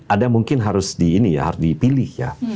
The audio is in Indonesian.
ada mungkin harus di ini ya harus dipilih ya